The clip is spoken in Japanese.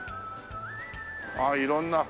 ああ色んな。